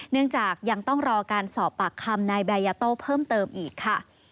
เนื่องจากยังต้องรอการสอบปากคำนายแบยาโต้เพิ่มเติมอีกค่ะ